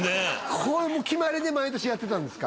決まりで毎年やってたんですか？